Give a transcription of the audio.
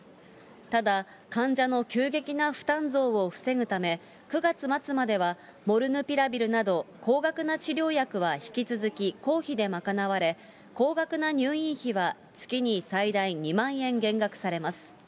ただ、患者の急激な負担増を防ぐため、９月末まではモルヌピラビルなど高額な治療薬は引き続き公費で賄われ、高額な入院費は月に最大２万円減額されます。